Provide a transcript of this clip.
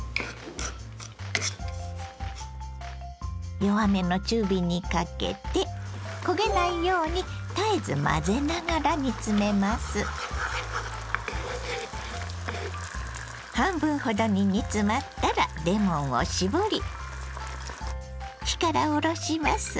弱めの中火にかけて半分ほどに煮詰まったらレモンを搾り火から下ろします。